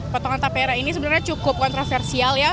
potongan tapera ini sebenarnya cukup kontroversial ya